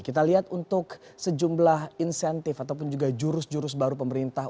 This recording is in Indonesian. kita lihat untuk sejumlah insentif ataupun juga jurus jurus baru pemerintah